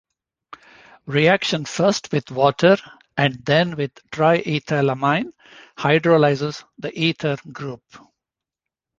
Reaction first with water and then with triethylamine hydrolyzes the ether group.